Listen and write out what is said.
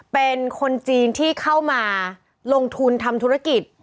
เป็นคนจีนที่เข้ามาลงทุนทำธุรกิจ